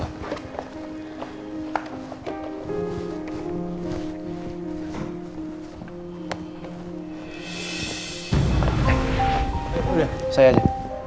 udah saya aja